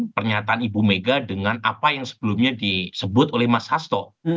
pernyataan ibu mega dengan apa yang sebelumnya disebut oleh mas hasto